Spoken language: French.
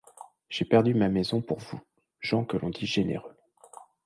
J'ai perdu ma maison pour vous, gens que l'on dit généreux.